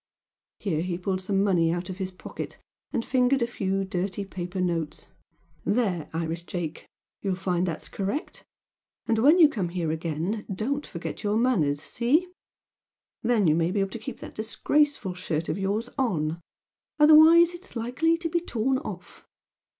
Here he pulled some money out of his pocket, and fingered a few dirty paper notes "There, Irish Jake! You'll find that's correct. And when you come here again don't forget your manners! See? Then you may be able to keep that disgraceful shirt of yours on! Otherwise it's likely to be torn off!